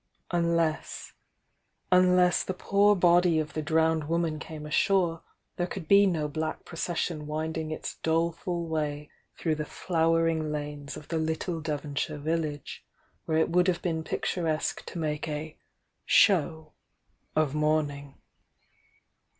Unless — unless the poor body of the drowned woman came a<^ore there could be no black procession winding its dole ful way through the flowering lanes of the little Devonshire village, where it would have been pictur esque to make a "show" of mourning.